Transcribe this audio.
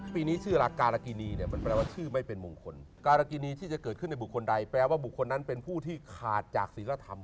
ปีนี้ชื่อราการากินีเนี่ยมันแปลว่าชื่อไม่เป็นมงคลการากินีที่จะเกิดขึ้นในบุคคลใดแปลว่าบุคคลนั้นเป็นผู้ที่ขาดจากศิลธรรม